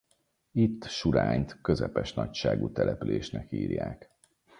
Itt Surányt közepes nagyságú településnek írják.